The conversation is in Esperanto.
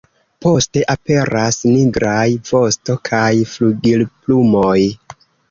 Poste aperas nigraj vosto kaj flugilplumoj.